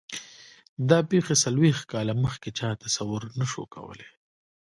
دا پېښې څلوېښت کاله مخکې چا تصور نه شو کولای.